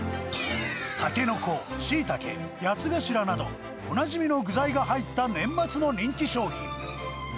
タケノコ、シイタケ、ヤツガシラなど、おなじみの具材が入った年末の人気商品。